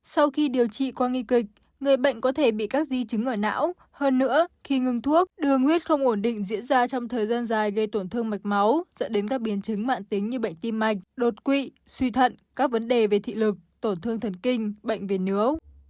sau khi điều trị qua nghi kịch người bệnh có thể bị các di chứng ở não hơn nữa khi ngừng thuốc đường huyết không ổn định diễn ra trong thời gian dài gây tổn thương mạch máu dẫn đến các biến chứng mạng tính như bệnh tim mạch đột quỵ suy thận các vấn đề về thị lực tổn thương thần kinh bệnh về nứa